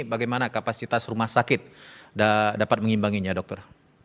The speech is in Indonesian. bagaimana kapasitas rumah sakit dapat mengimbanginya dokter